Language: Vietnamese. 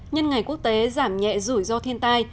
nhân ngày quốc tế giảm nhẹ rủi ro thiên tai